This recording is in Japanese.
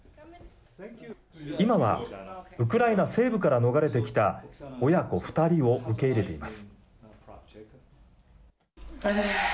今はウクライナ西部から逃れてきた親子２人を受け入れています。